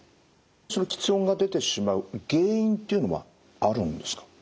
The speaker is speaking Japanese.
その吃音が出てしまう原因っていうのはあるんですか？